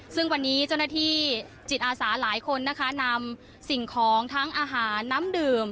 ซึ่งวันนี้เจ้าหน้าที่จิตอาสาหลายคนนะคะนำสิ่งของทั้งอาหารน้ำดื่ม